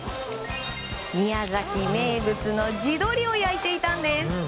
宮崎名物の地鶏を焼いていたんです。